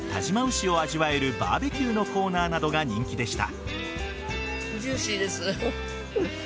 牛を味わえるバーベキューのコーナーなどが人気でした。